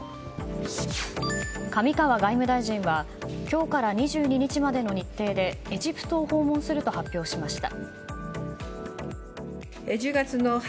上川外務大臣は今日から２２日までの日程でエジプトを訪問すると発表しました。